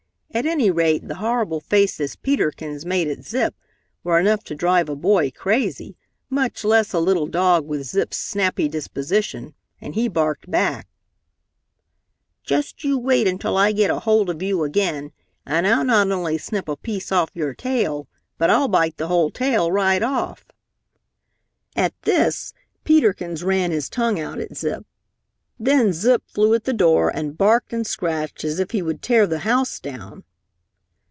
At any rate, the horrible faces Peter Kins made at Zip were enough to drive a boy crazy, much less a little dog with Zip's snappy disposition, and he barked back, "Just you wait until I get hold of you again, and I'll not only snip a piece off your tail, but I'll bite the whole tail right off!" At this Peter Kins ran his tongue out at Zip. Then Zip flew at the door and barked and scratched as if he would tear the house down.